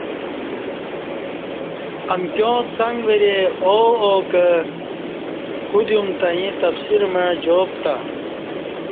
امکیاں څک وری او او کہ کُودئیم تہ ییں تفصیل مع جواب پتہ